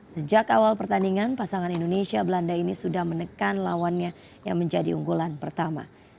sejak awal pertandingan pasangan indonesia belanda ini sudah menekan lawannya yang menjadi unggulan pertama